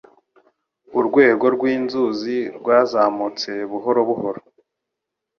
Urwego rwinzuzi rwazamutse buhoro buhoro.